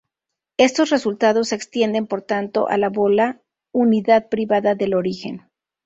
Estos resultados se extienden por tanto a la bola unidad privada del origen.